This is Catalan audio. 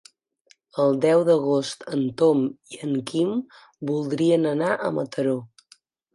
El deu d'agost en Tom i en Quim voldrien anar a Mataró.